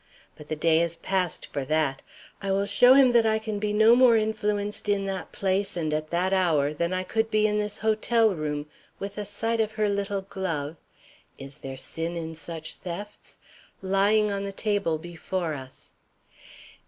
But the day has passed for that. I will show him that I can be no more influenced in that place and at that hour than I could be in this hotel room, with the sight of her little glove is there sin in such thefts? lying on the table before us.